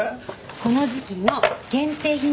この時期の限定品です。